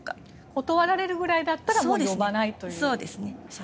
断られるぐらいだったら呼ばないという。